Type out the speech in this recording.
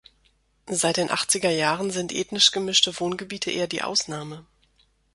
Seit den achtziger Jahren sind ethnisch gemischte Wohngebiete eher die Ausnahme.